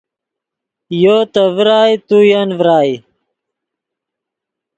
یو تے ڤرائے تو ین ڤرائی